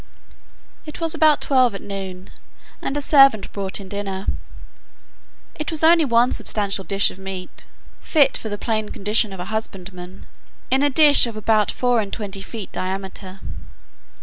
It was about twelve at noon, and a servant brought in dinner. It was only one substantial dish of meat (fit for the plain condition of a husbandman,) in a dish of about four and twenty feet diameter.